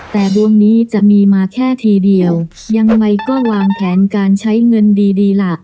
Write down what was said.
แต่ดวงนี้จะมีมาแค่ทีเดียวยังไงก็วางแผนการใช้เงินดีดีล่ะ